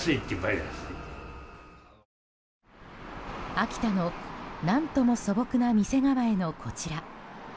秋田の何とも素朴な店構えのこちら。